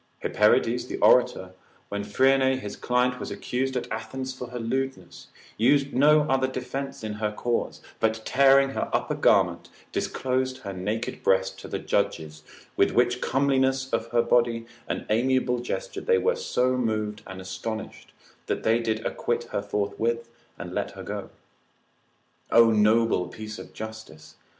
Hiperides the orator, when Phryne his client was accused at Athens for her lewdness, used no other defence in her cause, but tearing her upper garment, disclosed her naked breast to the judges, with which comeliness of her body and amiable gesture they were so moved and astonished, that they did acquit her forthwith, and let her go. O noble piece of justice!